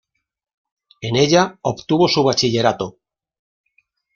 En ella obtuvo su bachillerato.